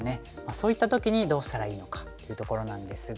そういった時にどうしたらいいのかというところなんですが。